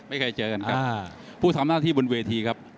ไม่เคยเจอกันครับผู้ทำหน้าที่บนเวทีครับ